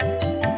terima kasih pak